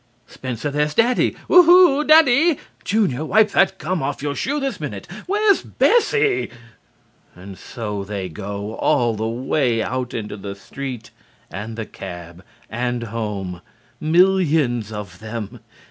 Spencer, there's Daddy!... Whoo hoo, Daddy!... Junior, wipe that gum off your shoe this minute.... Where's Bessie?" And so they go, all the way out into the street and the cab and home, millions of them.